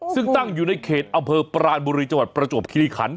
ซึ่งตั้งอยู่ในเขตอำเภอปรานบุรีจังหวัดประจวบคิริขัน